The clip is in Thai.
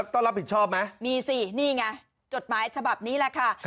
ต้องรับผิดชอบไหมมีสินี่ไงจดหมายฉบับนี้แหละค่ะ